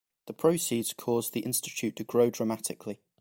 The proceeds caused the institute to grow dramatically.